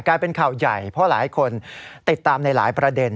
กลายเป็นข่าวใหญ่เพราะหลายคนติดตามในหลายประเด็น